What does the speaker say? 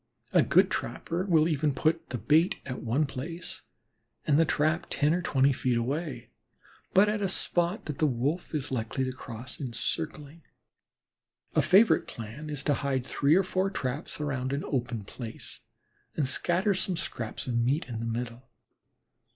A good trapper will even put the bait at one place and the trap ten or twenty feet away, but at a spot that the Wolf is likely to cross in circling. A favorite plan is to hide three or four traps around an open place, and scatter some scraps of meat in the middle.